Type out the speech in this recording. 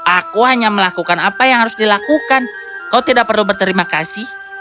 aku hanya melakukan apa yang harus dilakukan kau tidak perlu berterima kasih